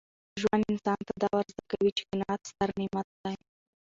ژوند انسان ته دا ور زده کوي چي قناعت ستر نعمت دی.